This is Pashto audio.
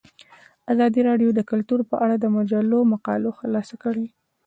ازادي راډیو د کلتور په اړه د مجلو مقالو خلاصه کړې.